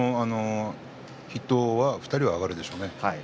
筆頭２人は上がるでしょうね。